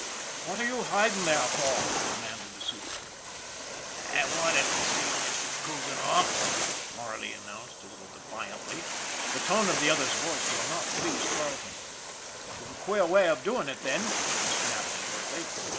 "What are you hiding there for?" demanded the super. " I wanted to see Mrs. Coogan off," Marley an swered a little defiantly. The tone of the other's voice did not please Carle ton. ' You've a queer way of doing it then," he snapped shortly.